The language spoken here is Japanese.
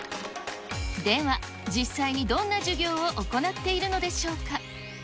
では、実際にどんな授業を行っているのでしょうか。